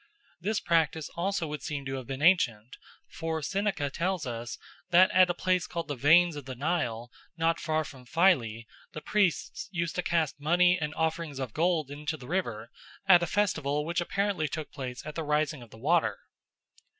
This practice also would seem to have been ancient, for Seneca tells us that at a place called the Veins of the Nile, not far from Philae, the priests used to cast money and offerings of gold into the river at a festival which apparently took place at the rising of the water.